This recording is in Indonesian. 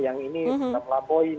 yang ini setelah poin